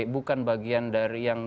bukan bagian dari